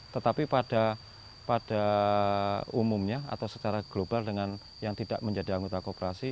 tetapi pada umumnya atau secara global dengan yang tidak menjadi anggota kooperasi